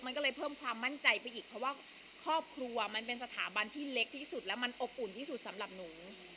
มันก็เลยเพิ่มความมั่นใจไปอีกเพราะว่าครอบครัวมันเป็นสถาบันที่เล็กที่สุดแล้วมันอบอุ่นที่สุดสำหรับหนู